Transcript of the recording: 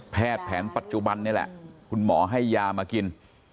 แผนปัจจุบันนี่แหละคุณหมอให้ยามากิน